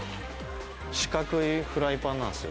四角いフライパンなんですよ。